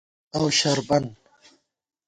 فرض اؤ شربَن